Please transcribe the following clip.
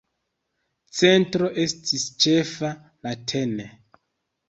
Centro estis ĉefa, la tn.